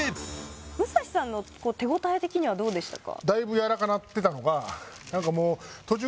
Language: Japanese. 武蔵さんの手応え的にはどうでしたか？